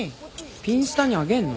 ピンスタにあげんの。